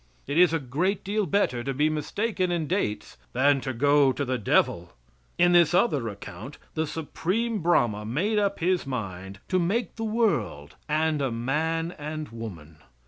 It is a great deal better to be mistaken in dates than to go to the devil. In this other account the Supreme Brahma made up his mind to make the world and a man and woman.